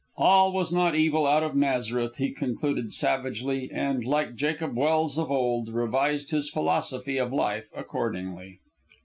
All was not evil out of Nazareth, he concluded sagely, and, like Jacob Welse of old, revised his philosophy of life accordingly.